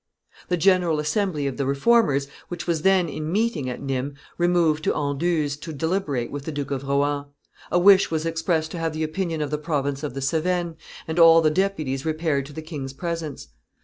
The general assembly of the Reformers, which was then in meeting at Nimes, removed to Anduze to deliberate with the Duke of Rohan; a wish was expressed to have the opinion of the province of the Cevennes, and all the deputies repaired to the king's presence.